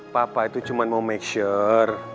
papa itu cuma mau make sure